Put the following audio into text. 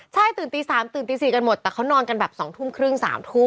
ใช่ตื่นตี๓ตื่นตี๔กันหมดแต่เขานอนกันแบบ๒ทุ่มครึ่ง๓ทุ่ม